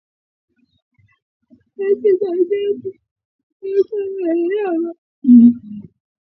Kushika uchafu kutoka kwa wanyama waliotupa mimba huweza kuwaambukiza binadamu ugonjwa wa Brusela